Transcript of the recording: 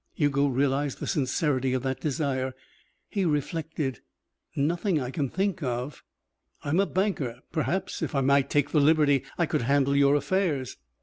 Hugo realized the sincerity of that desire. He reflected. "Nothing I can think of " "I'm a banker. Perhaps if I might take the liberty I could handle your affairs?"